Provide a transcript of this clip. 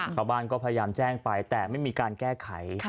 ชาวบ้านก็พยายามแจ้งไปแต่ไม่มีการแก้ไข